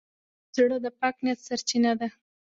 زړه د پاک نیت سرچینه ده.